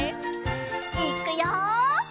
いっくよ。